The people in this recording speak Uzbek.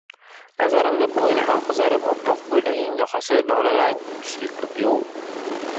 Nazarimda bo‘yni ham qizarib, oppoq ko‘ylagining yoqasi lolarang tusga kirdiyov!